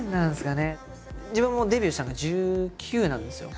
自分もデビューしたのが１９なんですよ。